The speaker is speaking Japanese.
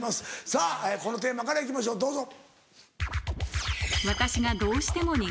さぁこのテーマから行きましょうどうぞ。